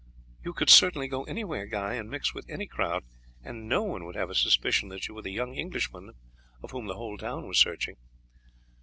"You could certainly go anywhere, Guy, and mix with any crowd, and no one would have a suspicion that you were the young Englishman for whom the whole town was searching."